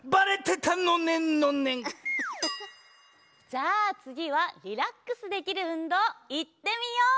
じゃあつぎはリラックスできるうんどういってみよう！